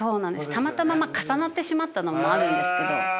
たまたま重なってしまったのもあるんですけど。